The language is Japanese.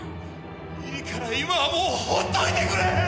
いいから今はもうほっといてくれ！